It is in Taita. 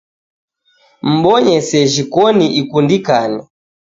Mbonye sejhi koni ikundikane